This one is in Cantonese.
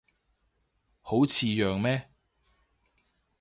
好似樣咩